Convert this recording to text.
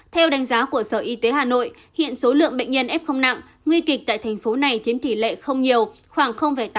theo đánh giá của sở y tế hà nội hiện số lượng bệnh nhân f nặng nguy kịch tại thành phố này chiếm tỷ lệ không nhiều khoảng tám